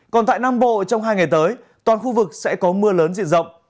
còn tại nam bộ trong hai ngày tới toàn khu vực sẽ có mưa lớn diện rộng